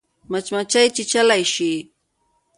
مچمچۍ چیچلای شي